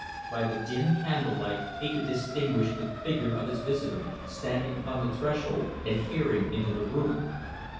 By the dim candlelight he could distinguish the figure of his visitor standing upon the threshold and peering into the room.